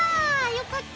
よかった。